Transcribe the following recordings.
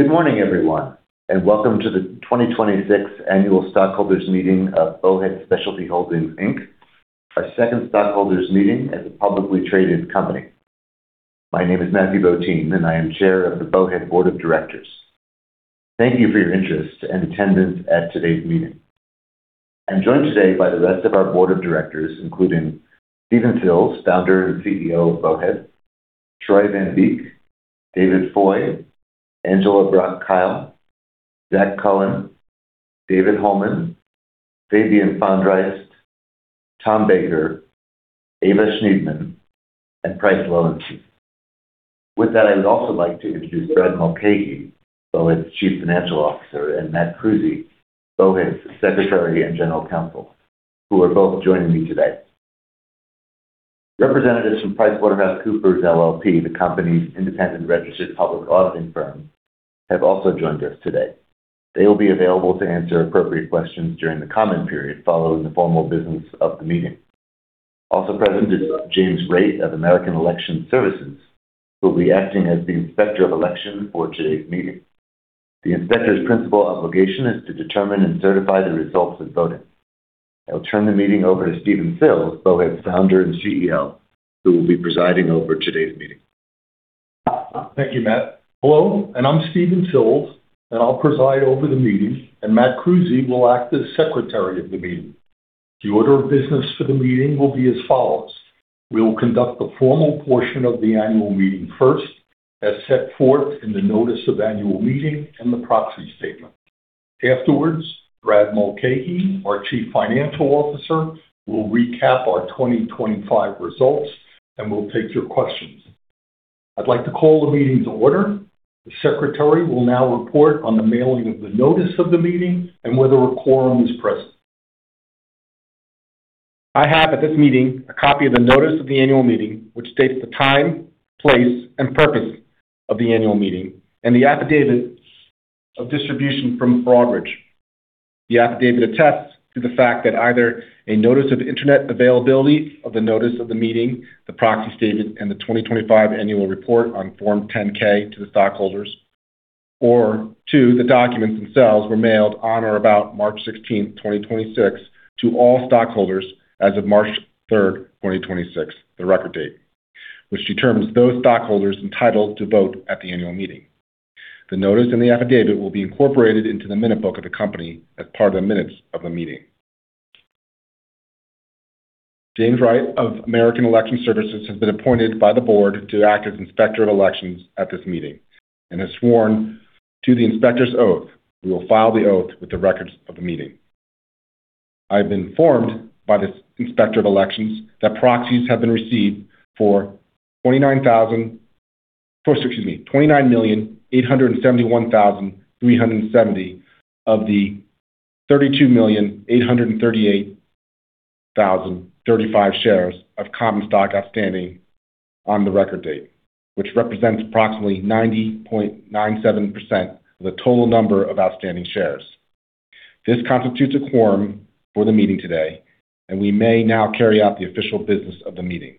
Good morning, everyone, and welcome to the 2026 Annual Stockholders Meeting of Bowhead Specialty Holdings Inc., our second stockholders meeting as a publicly traded company. My name is Matthew Botein, and I am Chair of the Bowhead Board of Directors. Thank you for your interest and attendance at today's meeting. I'm joined today by the rest of our board of directors, including Stephen Sills, Founder and CEO of Bowhead, Troy van Beek, David Foy, Angela Brock-Kyle, Zhak Cohen, David Holman, Fabian Fondriest, Thomas Baker, Ava Schnidman, and Price Lowenstein. With that, I would also like to introduce Brad Mulcahey, Bowhead's Chief Financial Officer, and Matt Crusey, Bowhead's Secretary and General Counsel, who are both joining me today. Representatives from PricewaterhouseCoopers, LLP, the company's independent registered public auditing firm, have also joined us today. They will be available to answer appropriate questions during the comment period following the formal business of the meeting. Also present is James Wright of American Election Services, who will be acting as the Inspector of Elections for today's meeting. The Inspector's principal obligation is to determine and certify the results of voting. I will turn the meeting over to Stephen Sills, Bowhead's Founder and CEO, who will be presiding over today's meeting. Thank you, Matt. Hello, I'm Stephen Sills, and I'll preside over the meeting, and Matt Crusey will act as Secretary of the meeting. The order of business for the meeting will be as follows: We will conduct the formal portion of the annual meeting first, as set forth in the notice of annual meeting and the proxy statement. Afterwards, Brad Mulcahey, our Chief Financial Officer, will recap our 2025 results and will take your questions. I'd like to call the meeting to order. The Secretary will now report on the mailing of the notice of the meeting and whether a quorum is present. I have at this meeting a copy of the notice of the annual meeting, which states the time, place, and purpose of the annual meeting and the affidavit of distribution from Broadridge. The affidavit attests to the fact that either a notice of internet availability of the notice of the meeting, the proxy statement, and the 2025 annual report on Form 10-K to the stockholders, or two, the documents themselves were mailed on or about March 16th, 2026, to all stockholders as of March 3rd, 2026, the record date, which determines those stockholders entitled to vote at the annual meeting. The notice and the affidavit will be incorporated into the minute book of the company as part of the minutes of the meeting. James Wright of American Election Services has been appointed by the board to act as Inspector of Elections at this meeting and has sworn to the inspector's oath. We will file the oath with the records of the meeting. I have been informed by this Inspector of Elections that proxies have been received for 29,871,370 of the 32,838,035 shares of common stock outstanding on the record date, which represents approximately 90.97% of the total number of outstanding shares. This constitutes a quorum for the meeting today, and we may now carry out the official business of the meeting.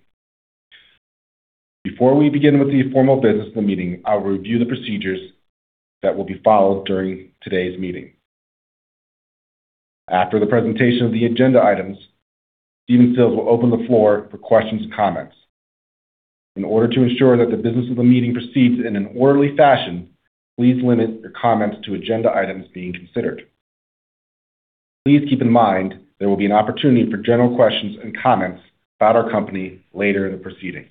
Before we begin with the formal business of the meeting, I will review the procedures that will be followed during today's meeting. After the presentation of the agenda items, Stephen Sills will open the floor for questions and comments. In order to ensure that the business of the meeting proceeds in an orderly fashion, please limit your comments to agenda items being considered. Please keep in mind there will be an opportunity for general questions and comments about our company later in the proceedings.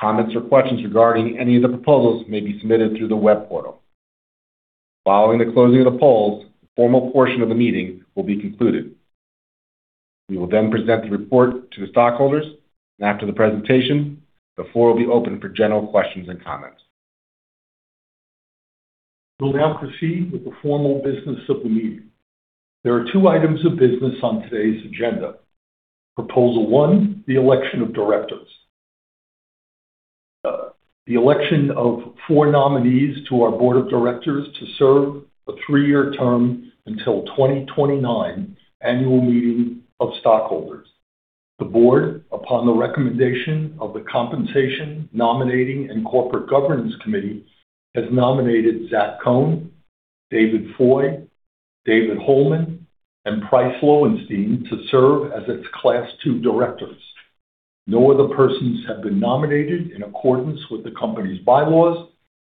Comments or questions regarding any of the proposals may be submitted through the web portal. Following the closing of the polls, the formal portion of the meeting will be concluded. We will then present the report to the stockholders. After the presentation, the floor will be open for general questions and comments. We'll now proceed with the formal business of the meeting. There are two items of business on today's agenda. Proposal one: the election of directors. The election of four nominees to our Board of Directors to serve a three-year term until 2029 annual meeting of stockholders. The Board, upon the recommendation of the Compensation, Nominating, and Corporate Governance Committee, has nominated Zhak Cohen, David Foy, David Holman, and Price Lowenstein to serve as its Class 2 directors. No other persons have been nominated in accordance with the company's bylaws,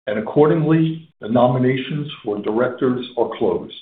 accordingly, the nominations for directors are closed.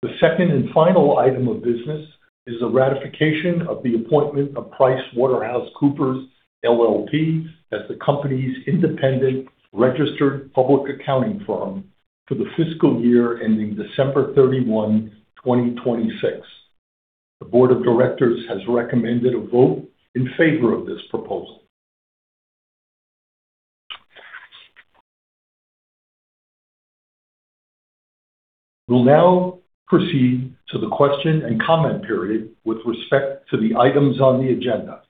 The second and final item of business is the ratification of the appointment of PricewaterhouseCoopers LLP as the company's independent registered public accounting firm for the fiscal year ending December 31, 2026. The board of directors has recommended a vote in favor of this proposal. We'll now proceed to the question and comment period with respect to the items on the agenda.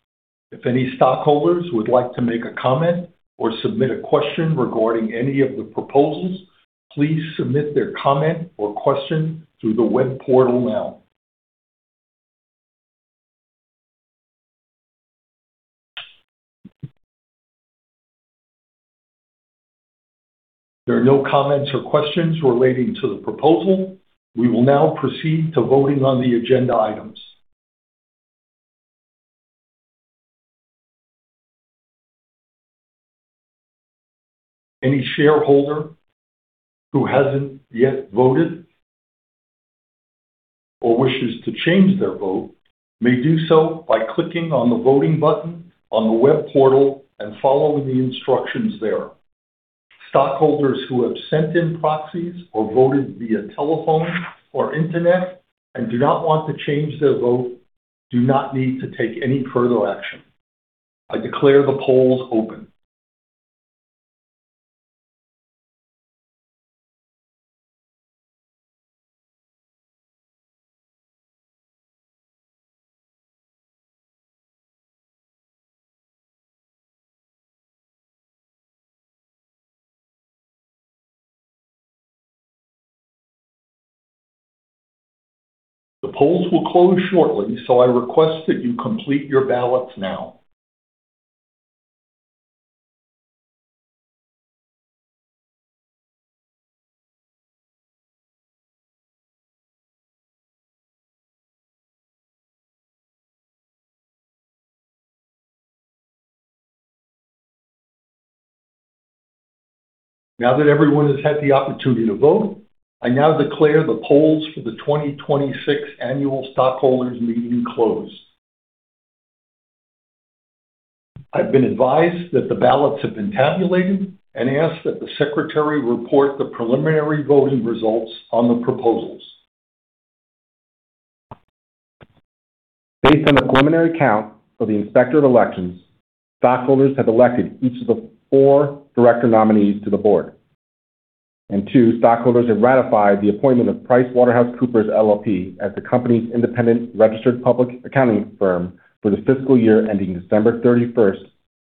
If any stockholders would like to make a comment or submit a question regarding any of the proposals, please submit their comment or question through the web portal now. There are no comments or questions relating to the proposal. We will now proceed to voting on the agenda items. Any shareholder who hasn't yet voted or wishes to change their vote may do so by clicking on the voting button on the web portal and following the instructions there. Stockholders who have sent in proxies or voted via telephone or internet and do not want to change their vote do not need to take any further action. I declare the polls open. The polls will close shortly, so I request that you complete your ballots now. Now that everyone has had the opportunity to vote, I now declare the polls for the 2026 Annual Stockholders Meeting closed. I've been advised that the ballots have been tabulated and ask that the Secretary report the preliminary voting results on the proposals. Based on the preliminary count for the Inspector of Elections, stockholders have elected each of the four director nominees to the board. Two, stockholders have ratified the appointment of PricewaterhouseCoopers LLP as the company's independent registered public accounting firm for the fiscal year ending December 31st,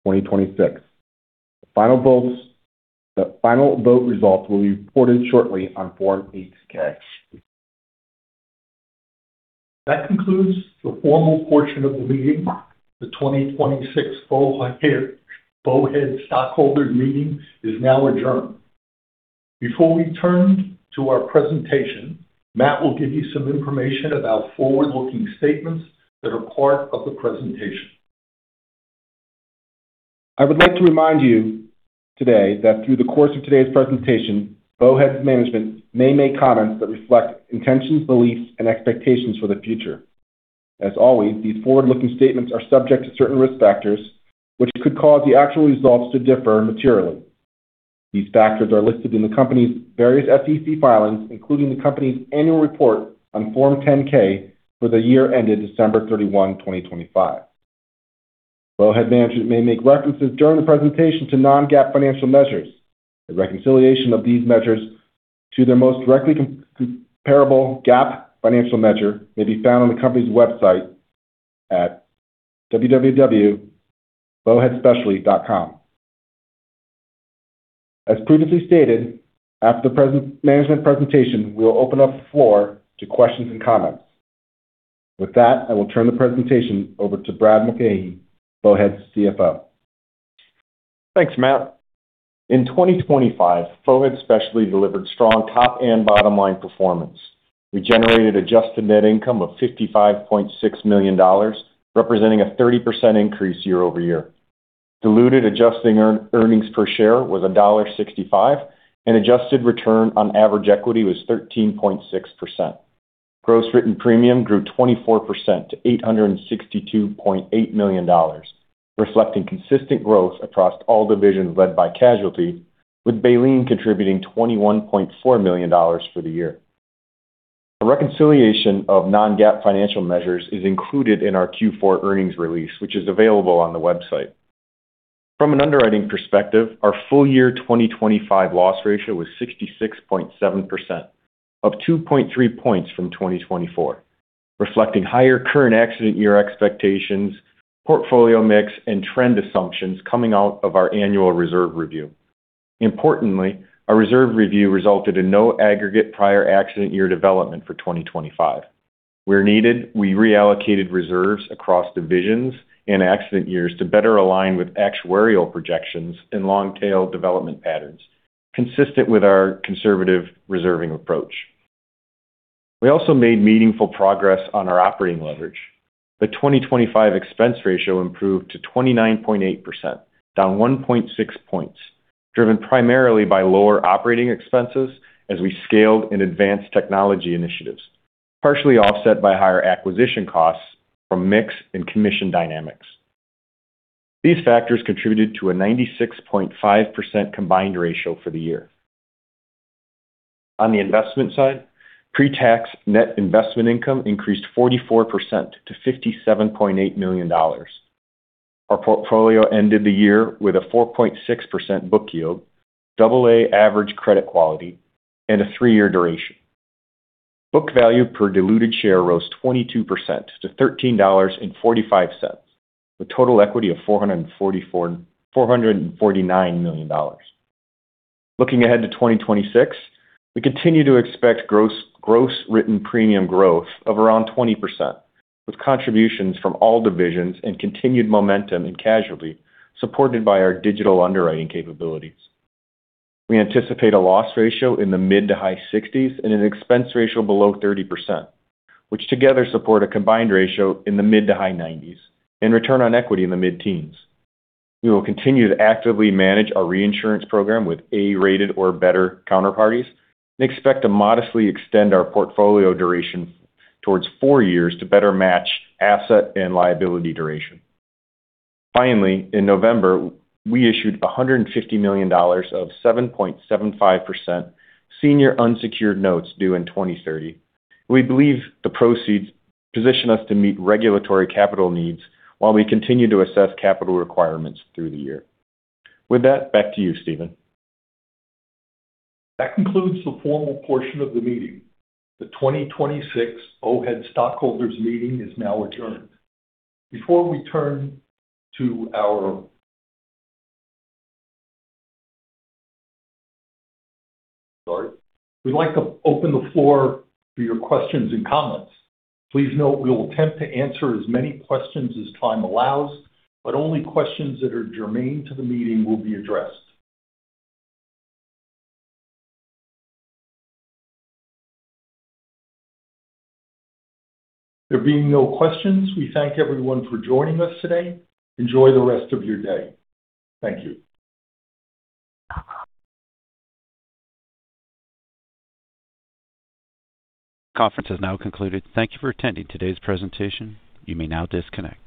2026. The final vote results will be reported shortly on Form 8-K. That concludes the formal portion of the meeting. The 2026 Bowhead Stockholders Meeting is now adjourned. Before we turn to our presentation, Matt will give you some information about forward-looking statements that are part of the presentation. I would like to remind you today that through the course of today's presentation, Bowhead's management may make comments that reflect intentions, beliefs, and expectations for the future. As always, these forward-looking statements are subject to certain risk factors, which could cause the actual results to differ materially. These factors are listed in the company's various SEC filings, including the company's annual report on Form 10-K for the year ended December 31, 2025. Bowhead management may make references during the presentation to non-GAAP financial measures. A reconciliation of these measures to their most directly comparable GAAP financial measure may be found on the company's website at www.bowheadspecialty.com. As previously stated, after the management presentation, we will open up the floor to questions and comments. With that, I will turn the presentation over to Brad Mulcahey, Bowhead's CFO. Thanks, Matt. In 2025, Bowhead Specialty delivered strong top and bottom-line performance. We generated adjusted net income of $55.6 million, representing a 30% increase year-over-year. Diluted adjusted earnings per share was $1.65, and adjusted return on average equity was 13.6%. Gross written premium grew 24% to $862.8 million, reflecting consistent growth across all divisions led by casualty, with Baleen contributing $21.4 million for the year. A reconciliation of non-GAAP financial measures is included in our Q4 earnings release, which is available on the website. From an underwriting perspective, our full year 2025 loss ratio was 66.7%, up 2.3 points from 2024, reflecting higher current accident year expectations, portfolio mix, and trend assumptions coming out of our annual reserve review. Importantly, our reserve review resulted in no aggregate prior accident year development for 2025. Where needed, we reallocated reserves across divisions and accident years to better align with actuarial projections and long-tail development patterns, consistent with our conservative reserving approach. We also made meaningful progress on our operating leverage. The 2025 expense ratio improved to 29.8%, down 1.6 points, driven primarily by lower operating expenses as we scaled in advanced technology initiatives, partially offset by higher acquisition costs from mix and commission dynamics. These factors contributed to a 96.5% combined ratio for the year. On the investment side, pre-tax net investment income increased 44% to $57.8 million. Our portfolio ended the year with a 4.6% book yield, AA average credit quality, and a three-year duration. Book value per diluted share rose 22% to $13.45, with total equity of $449 million. Looking ahead to 2026, we continue to expect gross written premium growth of around 20%, with contributions from all divisions and continued momentum in casualty, supported by our digital underwriting capabilities. We anticipate a loss ratio in the mid-to-high 60s and an expense ratio below 30%, which together support a combined ratio in the mid-to-high 90s and return on equity in the mid-teens. We will continue to actively manage our reinsurance program with A-rated or better counterparties and expect to modestly extend our portfolio duration towards four years to better match asset and liability duration. In November, we issued $150 million of 7.75% senior unsecured notes due in 2030. We believe the proceeds position us to meet regulatory capital needs while we continue to assess capital requirements through the year. With that, back to you, Stephen. That concludes the formal portion of the meeting. The 2026 Bowhead stockholders meeting is now adjourned. Sorry. We'd like to open the floor for your questions and comments. Please note we will attempt to answer as many questions as time allows, but only questions that are germane to the meeting will be addressed. There being no questions, we thank everyone for joining us today. Enjoy the rest of your day. Thank you. Conference has now concluded. Thank you for attending today's presentation. You may now disconnect.